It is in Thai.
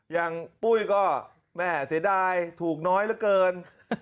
อย่างปุ้ยก็แม่เสียดายถูกน้อยละเกิน